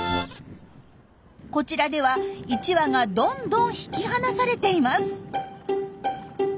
こちらでは１羽がどんどん引き離されています。